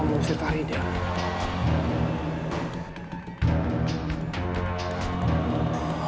aku mendesak faridah